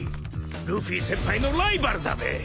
ルフィ先輩のライバルだべ］